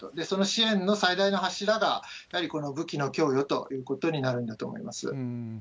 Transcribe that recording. その支援の最大の柱が、やはりこの武器の供与ということになるんだと思います。